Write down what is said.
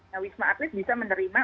nah wisma atlet bisa menerima